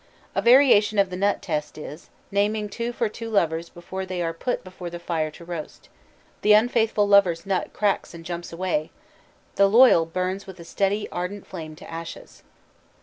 A variation of the nut test is, naming two for two lovers before they are put before the fire to roast. The unfaithful lover's nut cracks and jumps away, the loyal burns with a steady ardent flame to ashes.